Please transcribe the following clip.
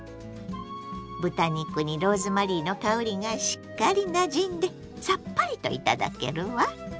豚肉にローズマリーの香りがしっかりなじんでさっぱりといただけるわ。